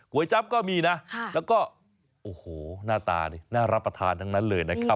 จั๊บก็มีนะแล้วก็โอ้โหหน้าตานี่น่ารับประทานทั้งนั้นเลยนะครับ